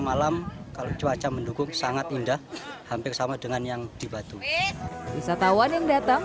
malam kalau cuaca mendugung sangat indah hampir sama dengan yang dibantu wisatawan yang datang